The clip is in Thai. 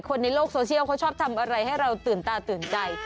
คนในโลกโซเชียลเขาชอบทำอะไรให้เราตื่นตาตื่นใจ